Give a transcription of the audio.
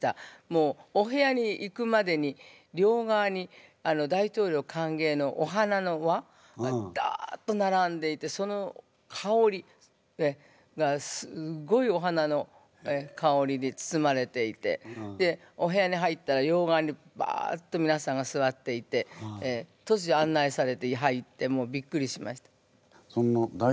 もうお部屋に行くまでに両側に大統領かんげいのお花の輪がダッとならんでいてそのかおりがすっごいお花のかおりに包まれていてでお部屋に入ったら両側にバッとみなさんがすわっていてとつじょ案内されて入ってもうびっくりしました。